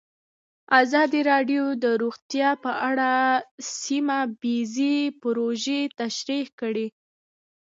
ازادي راډیو د روغتیا په اړه سیمه ییزې پروژې تشریح کړې.